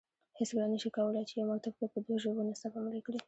هیڅکله نه شي کولای چې یو مکتب کې په دوه ژبو نصاب عملي کړي